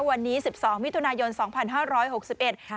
วันนี้สิบสองมิถุนายนสองพันห้าร้อยหกสิบเอ็ดค่ะ